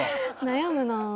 悩むなあ。